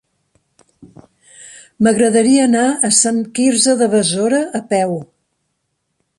M'agradaria anar a Sant Quirze de Besora a peu.